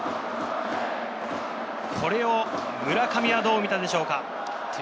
これを村上はどう見たでしょうか？